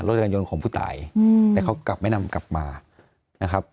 จักรยานยนต์ของผู้ตายแต่เขากลับไม่นำกลับมานะครับ